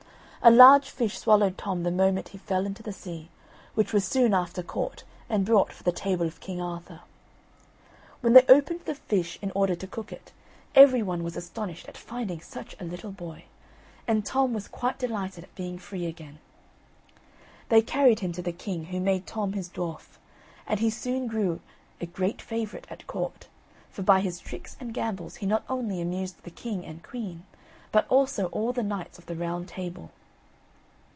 A large fish swallowed Tom the moment he fell into the sea, which was soon after caught, and bought for the table of King Arthur. When they opened the fish in order to cook it, every one was astonished at finding such a little boy, and Tom was quite delighted at being free again. They carried him to the king, who made Tom his dwarf, and he soon grew a great favourite at court; for by his tricks and gambols he not only amused the king and queen, but also all the Knights of the Round Table.